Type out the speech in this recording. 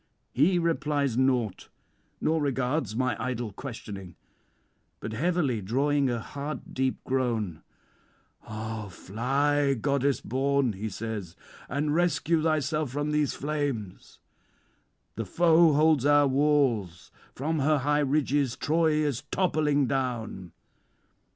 He replies naught, nor regards my idle questioning; but heavily drawing a heart deep groan, "Ah, fly, goddess born," he says, "and rescue thyself from these flames. The foe holds our walls; from her high ridges Troy is toppling down.